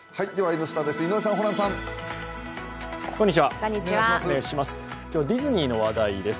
「Ｎスタ」です。